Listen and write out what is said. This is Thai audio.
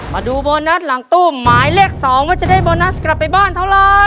มาดูโบนัสหลังตู้หมายเลข๒ว่าจะได้โบนัสกลับไปบ้านเท่าไร